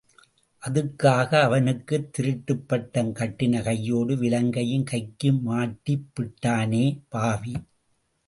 அதுக்காக அவனுக்குத் திருட்டுப் பட்டம் கட்டின கையோடு விலங்கையும் கைக்கு மாட்டிப்பிட்டானே பாவி..!